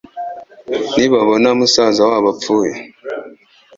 nibabona musaza wabo apfuye.